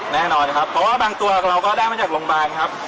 แน่นอนครับเพราะว่าบางตัวเราก็ได้มาจากโรงพยาบาลครับ